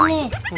nih dia nih